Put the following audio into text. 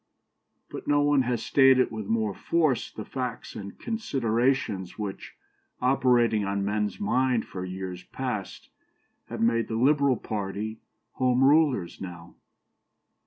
But no one has stated with more force the facts and considerations which, operating on men's mind for years past, have made the Liberal party Home Rulers now.